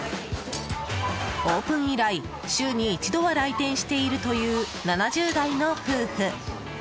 オープン以来、週に一度は来店しているという７０代の夫婦。